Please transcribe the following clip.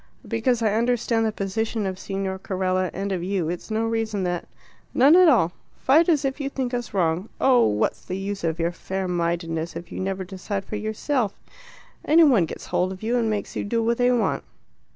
"Because I understand the position of Signor Carella and of you, it's no reason that " "None at all. Fight as if you think us wrong. Oh, what's the use of your fair mindedness if you never decide for yourself? Any one gets hold of you and makes you do what they want.